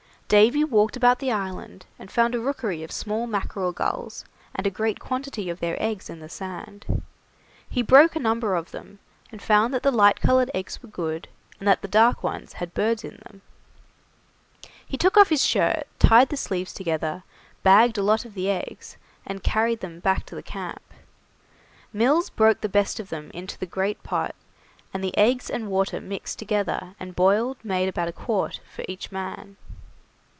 Davy walked about the island, and found a rookery of small mackerel gulls and a great quantity of their eggs in the sand. He broke a number of them, and found that the light coloured eggs were good, and that the dark ones had birds in them. He took off his shirt, tied the sleeves together, bagged a lot of the eggs, and carried them back to the camp. Mills broke the best of them into the great pot, and the eggs and water mixed together and boiled made about a quart for each man.